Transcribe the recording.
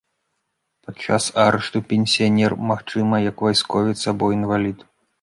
Падчас арышту пенсіянер, магчыма, як вайсковец або інвалід.